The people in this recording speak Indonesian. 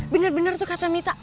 bener bener tuh kata mita